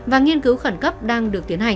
và nghiên cứu khẩn cấp đang được phát triển